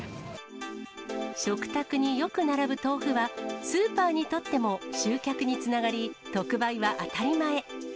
食卓によく並ぶ豆腐は、スーパーにとっても集客につながり、特売は当たり前。